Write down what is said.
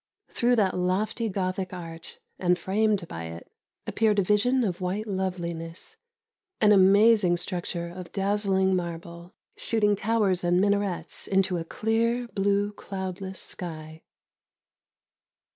Through that lofty Gothic arch, and framed by it, appeared a vision of white loveliness, an amazing structure of dazzling marble, shooting towers and minarets into a clear, blue, cloudless sky.